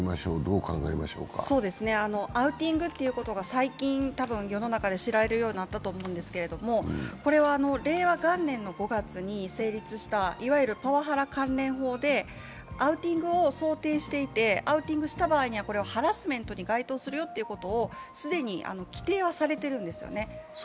アウティングということが最近、世の中で知られるようになったと思うんですがこれは令和元年５月に成立した、いわゆるパワハラ関連法でアウティングを想定していてアウティングをした場合にこれはハラスメントに該当するよということを、既に規定はされているんですよね